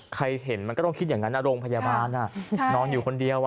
เห็นมันก็ต้องคิดอย่างนั้นโรงพยาบาลนอนอยู่คนเดียว